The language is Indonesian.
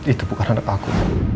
itu bukan anak aku